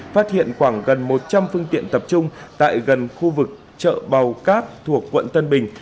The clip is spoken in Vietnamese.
phát hiện khoảng gần một trăm linh phương tiện tập trung tại gần khu vực chợ bào cát thuộc quận tân bình